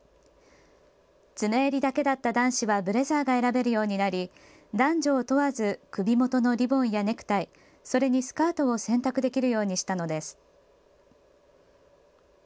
詰め襟だけだった男子はブレザーが選べるようになり男女を問わず首元のリボンやネクタイ、それにスカートを選択できるようにしたのです。